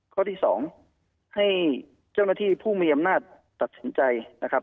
ข้อที่๒ให้เจ้าหน้าที่ผู้มีอำนาจตัดสินใจนะครับ